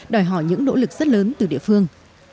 đòi hỏi những nỗ lực rất lớn